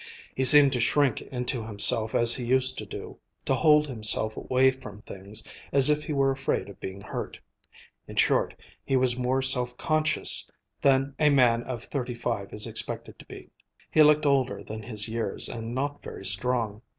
He seemed to shrink into himself as he used to do; to hold himself away from things, as if he were afraid of being hurt. In short, he was more self conscious than a man of thirty five is expected to be. He looked older than his years and not very strong.